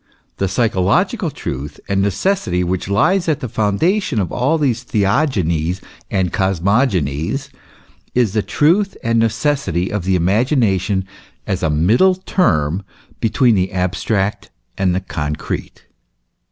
The psychological truth and necessity which lies at the foundation of all these theogonies and cosmogonies, is the truth and necessity of the imagination as a middle term between the abstract and concrete.